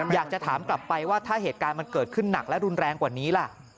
อยากจะถามกลับไปว่าถ้าเหตุการณ์มันเกิดขึ้นหนักและรุนแรงกว่านี้ล่ะ